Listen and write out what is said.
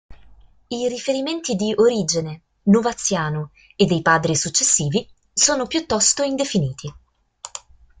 I riferimenti di Origene, Novaziano, e dei Padri successivi sono piuttosto indefiniti.